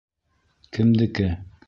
Кемдеке?